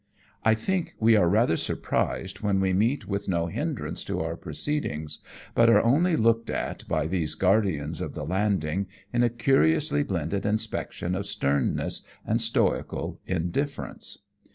I think we are rather surprised when we meet with no hindrance to our proceedings, but are only looked at by these guardians of the landing, in a curiously blended inspection of sternness and stoical indiffer ence.